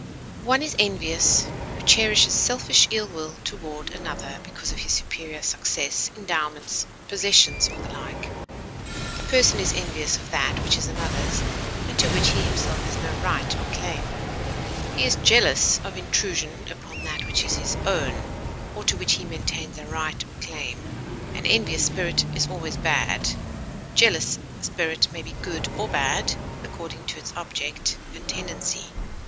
One is envious who cherishes selfish ill will toward another because of his superior success, endowments, possessions, or the like. A person is envious of that which is another's, and to which he himself has no right or claim; he is jealous of intrusion upon that which is his own, or to which he maintains a right or claim. An envious spirit is always bad; a jealous spirit may be good or bad, according to its object and tendency.